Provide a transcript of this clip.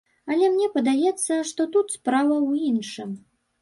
Але мне падаецца, што тут справа ў іншым.